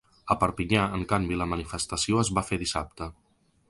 A Perpinyà, en canvi, la manifestació es va fer dissabte.